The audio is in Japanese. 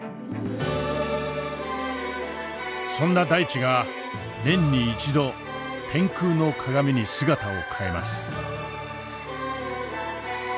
そんな大地が年に一度天空の鏡に姿を変えます。